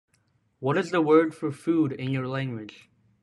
What is the word for 'food' in your language?